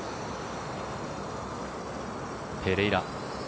ペレイラ。